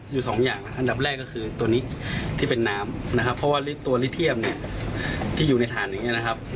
อยู่สองอย่างอันดับแรกก็คือตัวนี้ที่เป็นน้ำนะครับเพราะว่าตัวลิเทียมเนี่ยที่อยู่ในฐานอย่างนี้นะครับ